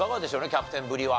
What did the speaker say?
キャプテンぶりは。